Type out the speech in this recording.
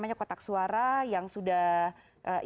yang diberikan ke kpu dan diberikan ke jokowi